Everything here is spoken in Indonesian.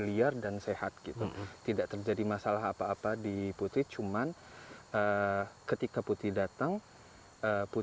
kita pelajari ternyata setiap waktu waktu tertentu